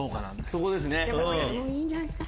そこですね。